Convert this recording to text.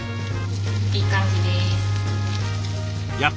いい感じです。